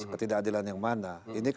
ketidakadilan yang mana